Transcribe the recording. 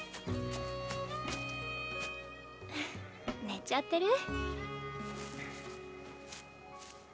寝ちゃってる？